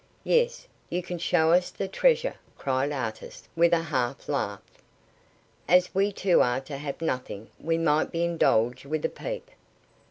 "Yes; you can show us the treasure," cried Artis, with a half laugh. "As we two are to have nothing, we might be indulged with a peep."